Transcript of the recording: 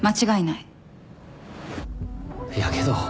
いやけど。